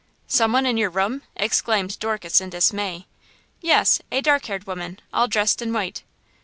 "Some one in your room!" exclaimed Dorcas in dismay. "Yes; a dark haired woman, all dressed in white!"